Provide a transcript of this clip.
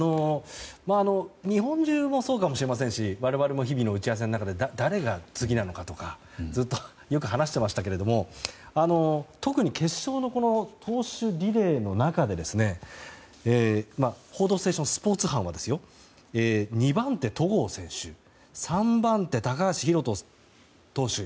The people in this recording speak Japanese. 日本中もそうかもしれませんし我々も日々の打ち合わせの中で誰が次なのかとかよく話していましたが特に決勝の投手リレーの中で「報道ステーション」スポーツ班はですが２番手、戸郷投手３番手、高橋宏斗投手。